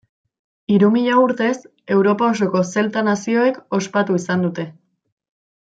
Hiru mila urtez Europa osoko zelta nazioek ospatu izan dute.